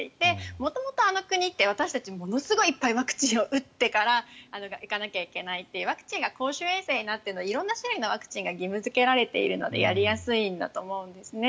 元々、あの国って私たち、ものすごいワクチンを打ってから行かないといけないというワクチンが公衆衛生になっていて色んな種類のワクチンがあるのでやりやすいと思うんですね。